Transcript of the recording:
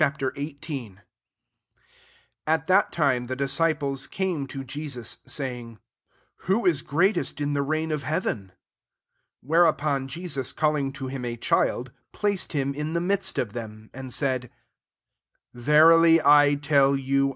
XVIII. 1 AT that time tbm disciples came to Jesus, say ing, " Who is greatest in the reign of heaven ?" 2 Whereup on Jesus calling to him a child, placed him in the midst of them, 3 and said, *< Verily I tell you.